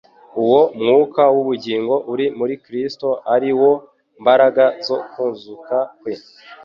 Uwo mwuka w’ubugingo uri muri Kristo, ari wo “mbaraga zo kuzuka kwe,”